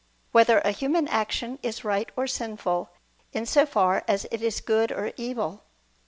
1] Whether a Human Action Is Right or Sinful, in So Far As It Is Good or Evil?